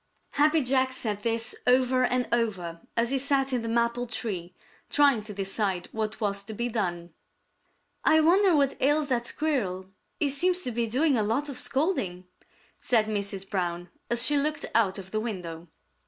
Happy Jack said this over and over as he sat in the maple tree, trying to decide what was to be done. "I wonder what ails that Squirrel. He seems to be doing a lot of scolding," said Mrs. Brown, as she looked out of the window.